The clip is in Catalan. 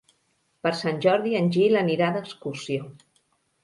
Per Sant Jordi en Gil anirà d'excursió.